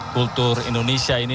kultur indonesia ini